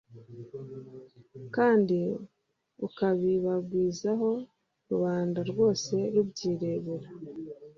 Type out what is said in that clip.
kandi ukabibagwizaho rubanda rwose rubyirebera